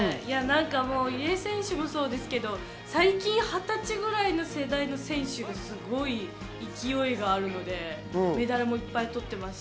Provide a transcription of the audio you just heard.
入江選手もそうですけど、最近、２０歳ぐらいの世代の選手、勢いがあるのでメダルもいっぱい取ってますし。